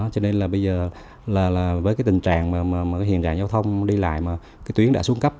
cho nên bây giờ với tình trạng hiện trạng giao thông đi lại tuyến đã xuống cấp